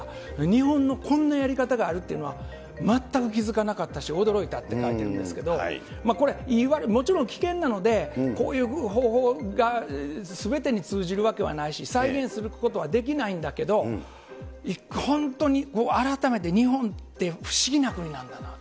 日本のこんなやり方があるっていうのは、全く気付かなかったし、驚いたって書いてるんですけど、これ、もちろん危険なので、こういう方法がすべてに通じるわけはないし、再現することはできないんだけど、本当に、改めて日本って不思議な国なんだなと。